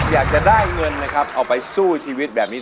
อยากจะได้เงินนะครับเอาไปสู้ชีวิตแบบนี้